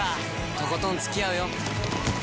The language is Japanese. とことんつきあうよ！